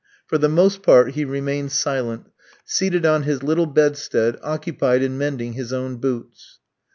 For the most part he remained silent, seated on his little bedstead, occupied in mending his own boots.